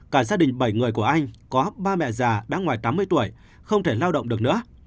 cả gia đình bảy người của anh có ba mẹ già đã ngoài tám mươi tuổi không thể lao động được nữa